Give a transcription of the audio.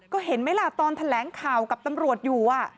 ก็เห็นไหมล่ะตอนแถลงข่าวกับตำรวจอยู่